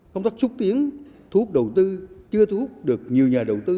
không tắt xúc tiến thuốc đầu tư chưa thuốc được nhiều nhà đầu tư